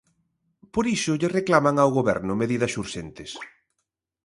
Por iso lle reclaman ao Goberno medidas urxentes.